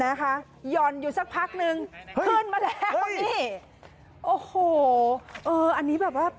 หย่อนอยู่สักพักนึงขึ้นมาแล้วนี่โอ้โหเอออันนี้แบบว่า